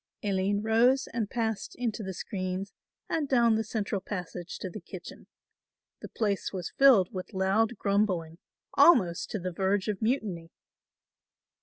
Aline rose and passed into the screens and down the central passage to the kitchen. The place was filled with loud grumbling, almost to the verge of mutiny.